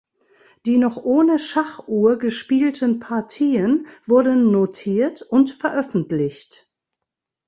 Die noch ohne Schachuhr gespielten Partien wurden notiert und veröffentlicht.